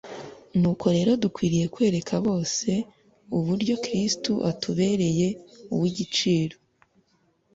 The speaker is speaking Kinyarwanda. nuko rero dukwiriye kwereka bose uburyo Kristo atubereye uw'igiciro.